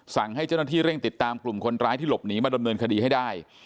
สั่งให้เจ้าหน้าที่เร่งติดตามกลุ่มคนร้ายที่หลบหนีมาดำเนินคดีให้ได้